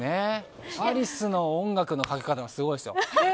アリスの音楽のかけ方すごいですよ。